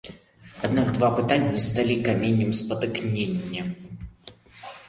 Аднак два пытанні сталі каменем спатыкнення.